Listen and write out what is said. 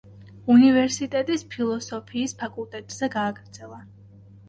უნივერსიტეტის ფილოსოფიის ფაკულტეტზე გააგრძელა.